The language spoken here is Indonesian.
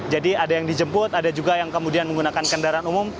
jadi ada yang dijemput ada juga yang kemudian menggunakan kendaraan umum